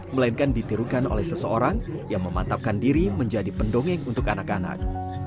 melainkan ditirukan oleh seseorang yang memantapkan diri menjadi pendongeng untuk anak anak